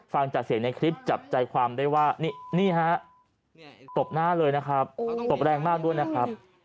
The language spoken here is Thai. ฟังจากเสียงในคลิปจับใจความได้ว่านี่ฮะตบหน้าเลยนะครับตบแรงมากด้วยนะครับ